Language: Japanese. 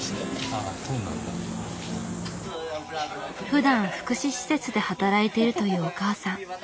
ふだん福祉施設で働いてるというお母さん。